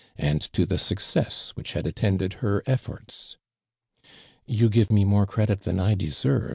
and to the success which had attended her efforts. "You givenie more credit than I deserve.